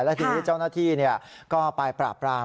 และทีนี้เจ้าหน้าที่ก็ไปปราบปราม